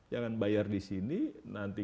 jangan bayar di sini nanti